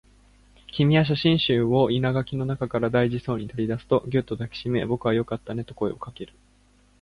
君は写真集を生垣の中から大事そうに取り出すと、ぎゅっと抱きしめ、僕はよかったねと声をかける